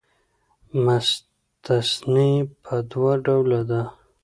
مستثنی پر دوه ډوله ده.